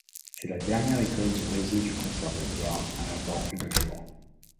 C'est la dernière école du réseau du conservatoire à avoir vu le jour.